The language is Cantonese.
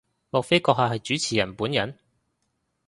莫非閣下係主持人本人？